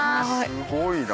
すごいな。